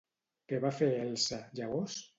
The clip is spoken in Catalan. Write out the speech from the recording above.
Què va fer Elsa, llavors?